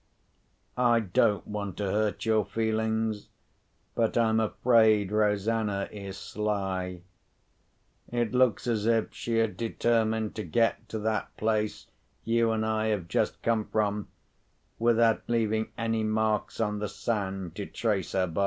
I don't want to hurt your feelings, but I'm afraid Rosanna is sly. It looks as if she had determined to get to that place you and I have just come from, without leaving any marks on the sand to trace her by.